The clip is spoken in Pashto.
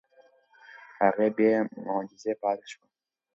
هغه بې معجزې پاتې شوه.